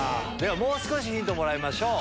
もう少しヒントもらいましょう。